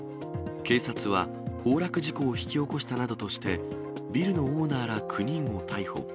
警察は、崩落事故を引き起こしたなどとして、ビルのオーナーら９人を逮捕。